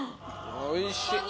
おいしい。